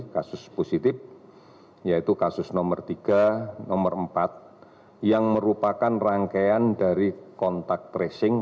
kasus positif yaitu kasus nomor tiga nomor empat yang merupakan rangkaian dari kontak tracing